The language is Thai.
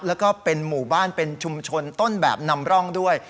แล้วก็เป็นหมู่บ้านเป็นชุมชนต้นแบบนำร่องด้วย